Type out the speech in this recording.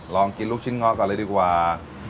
ลองกินลูกชิ้นง้อก่อนเลยดีกว่า